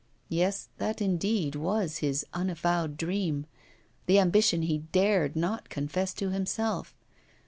Yes, that indeed was his unavowed dream, the ambition he dared not confess to himself.